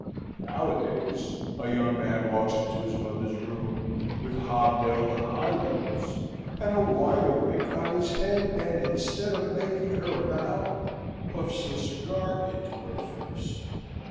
Nowadays, a young man walks into his mother's room with hobnailed high lows, and a wideawake on his head; and instead of making her a bow, puffs a cigar into her face.